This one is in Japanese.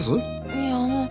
いえあの。